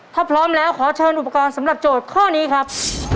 ถ้าพร้อมแล้วขอเชิญอุปกรณ์สำหรับโจทย์ข้อนี้ครับ